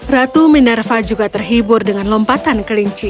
ratu minerva juga terhibur dengan lompatan kelinci